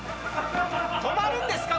泊まるんですか？